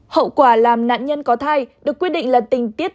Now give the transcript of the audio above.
hậu quả làm nạn nhân có thai được quyết định là tình tiết